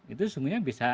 itu sesungguhnya bisa